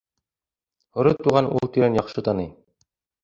Һоро Туғаным ул тирәне яҡшы таный.